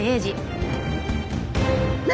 何？